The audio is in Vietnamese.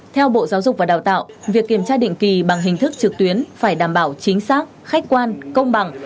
theo bộ giáo dục và đào tạo việc kiểm tra định kỳ bằng hình thức trực tuyến phải đảm bảo chính xác khách quan công bằng